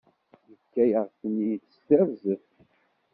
Yefka-yaɣ-ten-id d tarzeft.